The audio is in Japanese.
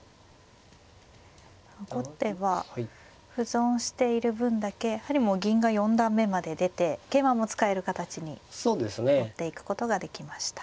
後手は歩損している分だけやはりもう銀が四段目まで出て桂馬も使える形に持っていくことができました。